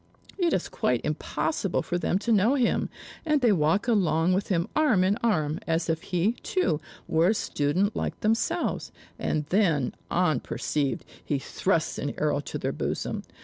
It is quite impossible for them to know him, and they walk along with him arm in arm, as if he, too, were a student like themselves; and then, unperceived, he thrusts an arrow to their bosom.